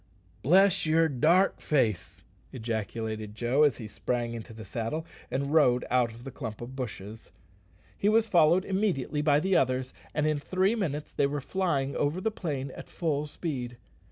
"Bless yer dark face!" ejaculated Joe, as he sprang into the saddle and rode out of the clump of bushes. He was followed immediately by the others, and in three minutes they were flying over the plain at full speed.